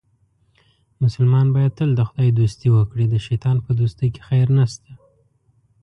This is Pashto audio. مسلمان باید تل د خدای دوستي وکړي، د شیطان په دوستۍ کې خیر نشته.